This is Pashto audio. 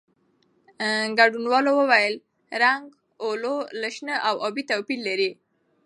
ګډونوالو وویل، رنګ "اولو" له شنه او ابي توپیر لري.